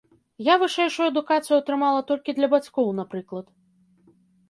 Я вышэйшую адукацыю атрымала толькі для бацькоў, напрыклад.